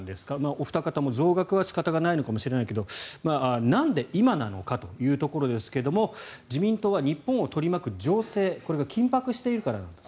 お二方も増額は仕方のないかもしれないけれどなんで今なのかということですが自民党は日本を取り巻く情勢これが緊迫しているからなんだと。